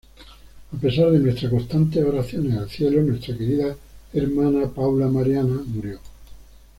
A pesar de nuestras constantes oraciones al cielo, nuestra querida hermana Paula Mariana murió.